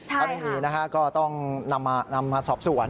ถ้าไม่มีนะฮะก็ต้องนำมาสอบสวน